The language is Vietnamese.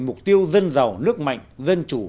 mục tiêu dân giàu nước mạnh dân chủ